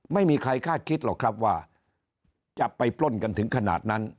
ไม่มีใครคาดคิดหรอกครับว่าจะไปปล้นกันถึงขนาดนั้น